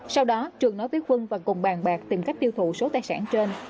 sau đó trường nói với quân và cùng bàn bạc tìm cách tiêu thụ số tài sản trên